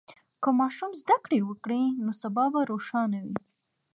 که ماشوم زده کړه وکړي، نو سبا به روښانه وي.